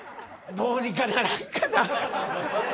どうにかならんかな。